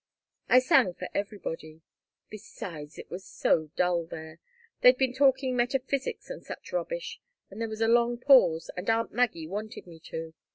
"I sang for everybody. Besides, it was so dull there. They'd been talking metaphysics and such rubbish, and there was a long pause, and aunt Maggie wanted me to.